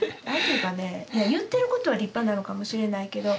いや言ってることは立派なのかもしれないけど。